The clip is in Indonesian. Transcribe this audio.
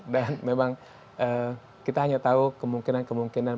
dan memang kita hanya tahu kemungkinan kemungkinan